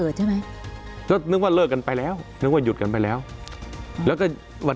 ยังมีเรื่องรุดการศึกษา